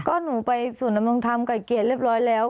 ก็หนูไปศูนย์ดำรงธรรมไก่เกลียดเรียบร้อยแล้ว